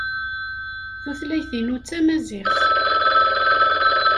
Tutlayt-inu d tamaziɣt.